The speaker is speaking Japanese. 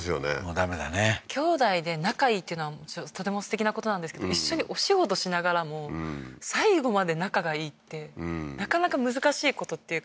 ダメだね兄弟で仲いいっていうのはとてもすてきなことなんですけど一緒にお仕事しながらも最後まで仲がいいってなかなか難しいことっていうか